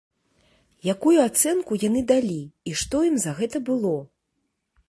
Якую ацэнку яны далі і што ім за гэта было?